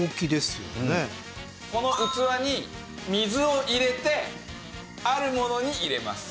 この器に水を入れてあるものに入れます。